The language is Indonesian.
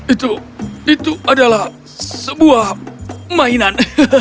itu itu adalah sebuah mainan